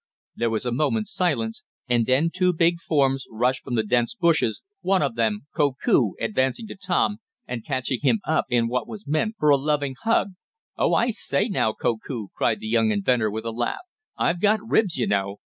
There was a moment's silence, and then two big forms rushed from the dense bushes, one of them Koku advancing to Tom, and catching him up in what was meant for a loving hug. "Oh, I say now, Koku!" cried the young inventor, with a laugh. "I've got ribs, you know.